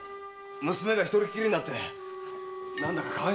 娘が一人っきりになって何だかかわいそうで。